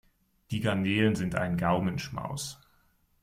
Die Garnelen sind ein Gaumenschmaus!